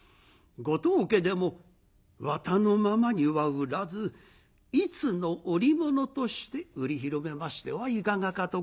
ご当家でも綿のままには売らず一の織物として売り広めましてはいかがかと心得ます」。